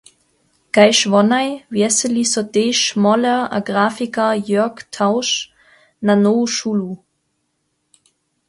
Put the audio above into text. Kaž wonaj wjeseli so tež moler a grafikar Jörg Tausch na nowu šulu.